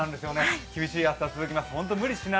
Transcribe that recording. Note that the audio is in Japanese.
厳しい暑さが続きます。